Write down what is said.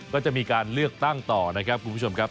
ก็จะมีการเลือกตั้งต่อนะครับคุณผู้ชมครับ